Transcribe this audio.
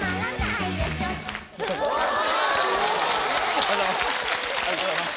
ありがとうございます。